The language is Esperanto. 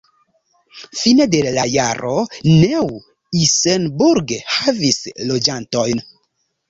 Fine de la jaro Neu-Isenburg havis loĝantojn.